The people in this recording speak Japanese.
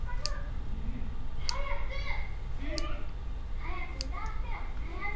はやくうたわせてよなやみ！